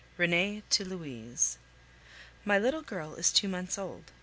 RENEE TO LOUISE My little girl is two months old.